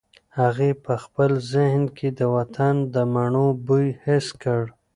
هغې په خپل ذهن کې د وطن د مڼو بوی حس کړ.